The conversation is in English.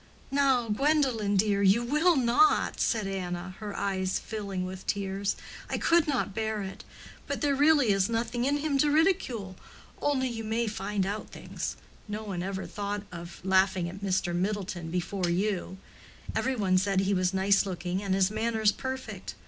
"Now, Gwendolen, dear, you will not?" said Anna, her eyes filling with tears. "I could not bear it. But there really is nothing in him to ridicule. Only you may find out things. For no one ever thought of laughing at Mr. Middleton before you. Every one said he was nice looking, and his manners perfect.